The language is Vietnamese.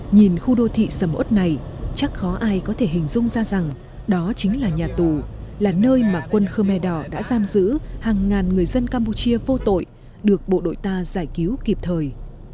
nhìn khu đô thị sầm ớt này chắc khó ai có thể hình dung ra rằng đó chính là nhà tù là nơi mà quân khơ me đỏ đã giam giữ hàng ngàn người dân campuchia vô tội được bộ đội ta giải cứu kịp thời